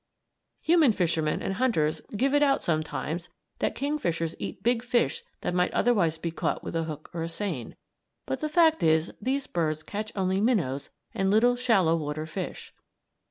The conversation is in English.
Human fishermen and hunters give it out sometimes that kingfishers eat big fish that might otherwise be caught with a hook or a seine, but the fact is these birds catch only minnows and little shallow water fish.